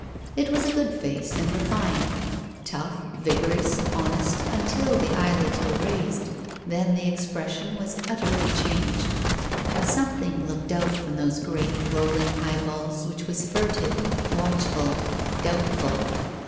It was a good face, and refined; tough, vigorous, honest, until the eyelids were raised. Then the expression was utterly changed. A something looked out from those great rolling eyeballs which was furtive, watchful, doubtful.